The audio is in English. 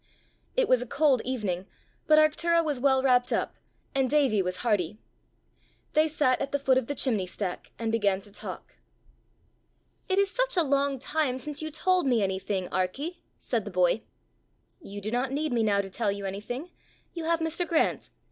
It was a cold evening, but Arctura was well wrapt up, and Davie was hardy. They sat at the foot of the chimney stack, and began to talk. "It is such a long time since you told me anything, Arkie!" said the boy. "You do not need me now to tell you anything: you have Mr. Grant!